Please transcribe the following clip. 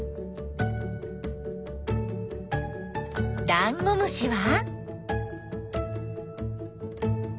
ダンゴムシは？